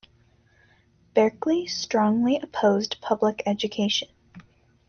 Berkeley strongly opposed public education.